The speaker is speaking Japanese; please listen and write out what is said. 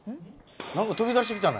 何か飛び出してきたな。